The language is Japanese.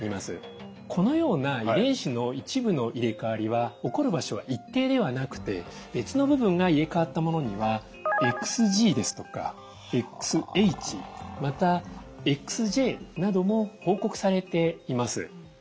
このような遺伝子の一部の入れ替わりは起こる場所は一定ではなくて別の部分が入れ替わったものにはＸＧですとかＸＨまたＸＪなども報告されています。